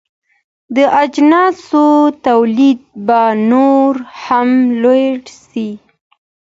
د اجناسو تولید به نور هم لوړ سي.